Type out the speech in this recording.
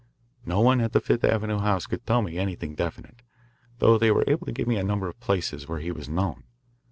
No one at the Fifth Avenue house could tell me anything definite, though they were able to give me a number of places where he was known.